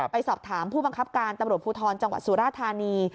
ไปสอบถามผู้บังคับการตำรวจภูทรจังหวัดสุราธานี